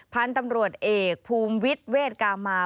พันธุ์ตำรวจเอกภูมิวิทย์เวทกามา